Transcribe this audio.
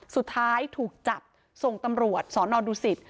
สุดท้ายถูกจับส่งตำรวจสอนอดูสิต